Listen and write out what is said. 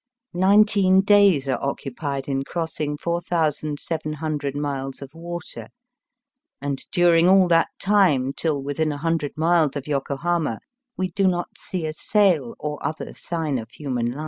Nine teen days are occupied in crossing 4,700 miles of water, and during all that time till within a hundred miles of Yokohama we do not see a sail or other sign of human life.